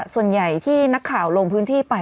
ส่วนใหญ่ที่นักข่าวลงพื้นที่ไป